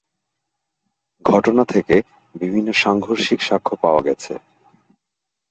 ঘটনা থেকে বিভিন্ন সাংঘর্ষিক সাক্ষ্য পাওয়া গেছে।